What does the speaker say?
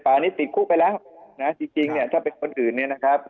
ปลานี้ติดคุกไปแล้วจริงถ้าเป็นคนอื่นนี่นะครับ